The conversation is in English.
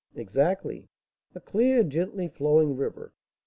"Exactly! a clear, gently flowing river.